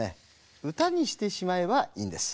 うたにしてしまえばいいんです。